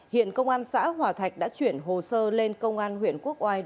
hiện công an xã hòa thạch đã chuyển hồ sơ lên công an huyện quốc oai